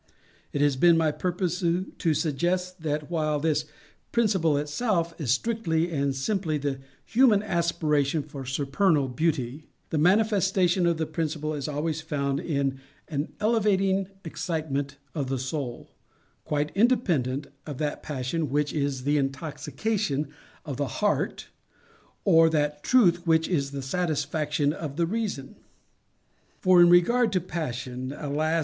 It has been my purpose to suggest that, while this principle itself is strictly and simply the Human Aspiration for Supernal Beauty, the manifestation of the Principle is always found in _an elevating excitement of the soul, _quite independent of that passion which is the intoxication of the Heart, or of that truth which is the satisfaction of the Reason. For in regard to passion, alas!